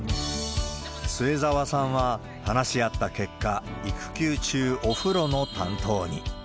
末澤さんは、話し合った結果、育休中、お風呂の担当に。